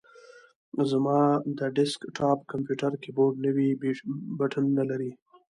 زما د ډیسک ټاپ کمپیوټر کیبورډ نوي بټنونه لري.